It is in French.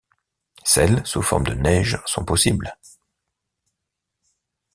Celles sous forme de neige sont possibles.